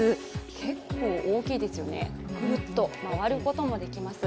結構大きいですよね、くるっと回ることもできます。